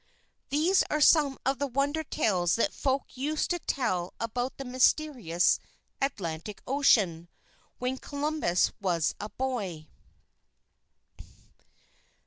These are some of the wonder tales that folk used to tell about the mysterious Atlantic Ocean, when Columbus was a boy.